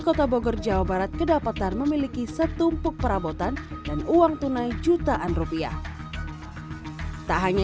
kota bogor jawa barat kedapatan memiliki setumpuk perabotan dan uang tunai jutaan rupiah tak hanya